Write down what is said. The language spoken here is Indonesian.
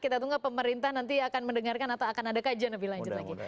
kita tunggu pemerintah nanti akan mendengarkan atau akan ada kajian lebih lanjut lagi